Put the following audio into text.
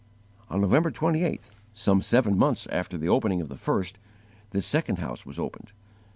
On November 28th, some seven months after the opening of the first, this second house was opened.